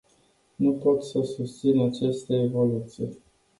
Nu pot să susțin aceste evoluții.